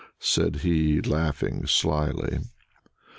said he, laughing slyly.